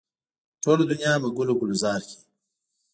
ټوله دنیا به ګل و ګلزاره کړي.